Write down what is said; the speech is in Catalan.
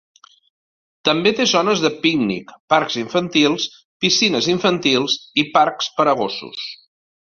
També té zones de pícnic, parcs infantils, piscines infantils i parcs per a gossos.